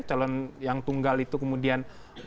calon yang tunggal itu kemudian